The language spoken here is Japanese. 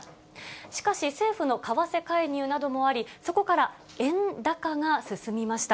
しかし政府の為替介入などもあり、そこから円高が進みました。